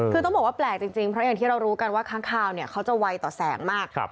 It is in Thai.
คือต้องบอกว่าแปลกจริงเพราะอย่างที่เรารู้กันว่าค้างคาวเนี่ยเขาจะไวต่อแสงมาก